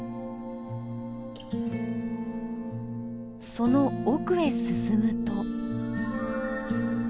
その奥へ進むと。